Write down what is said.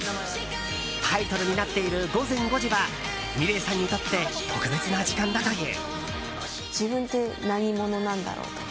タイトルになっている午前５時はｍｉｌｅｔさんにとって特別な時間だという。